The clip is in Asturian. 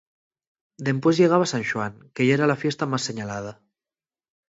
Dempués llegaba San Xuan, que yera la fiesta más señalada.